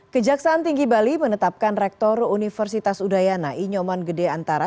kejaksaan tinggi bali menetapkan rektor universitas udaya nai nyoman gede antara